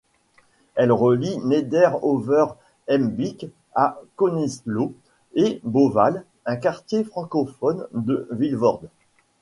Elle relie Neder-Over-Heembeek à Koningslo et Beauval, un quartier francophone de Vilvorde.